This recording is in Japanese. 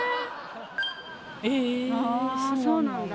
えそうなんだ。